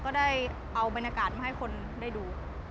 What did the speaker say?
ก็ได้เอาบรรยากาศมาให้คนได้ดู